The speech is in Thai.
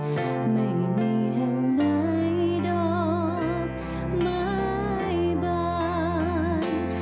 ไม่มีแห่งใดดอกไม้บาน